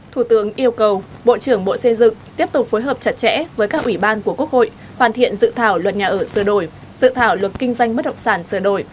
thủ tướng yêu cầu bộ trưởng bộ xây dựng tiếp tục phối hợp chặt chẽ với các ủy ban của quốc hội hoàn thiện dự thảo luật nhà ở sơ đổi dự thảo luật kinh doanh bất động sản sửa đổi